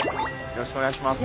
よろしくお願いします。